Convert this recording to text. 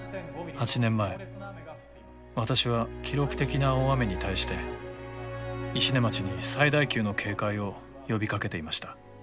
８年前私は記録的な大雨に対して石音町に最大級の警戒を呼びかけていました。